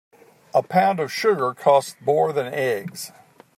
A pound of sugar costs more than eggs.